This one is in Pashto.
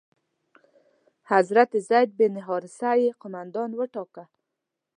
حضرت زید بن حارثه یې قومندان وټاکه.